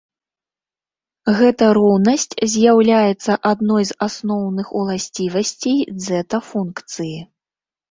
Гэта роўнасць з'яўляецца адной з асноўных уласцівасцей дзэта-функцыі.